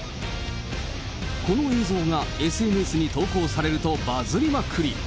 この映像がＳＮＳに投稿されると、バズりまくり。